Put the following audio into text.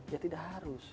ya tidak harus